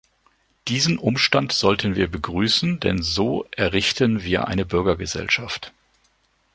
Diesen Umstand sollten wir begrüßen, denn so errichten wir eine Bürgergesellschaft.